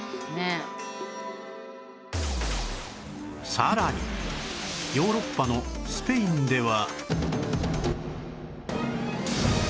さらにヨーロッパのスペインでは